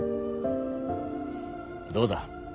どうだ？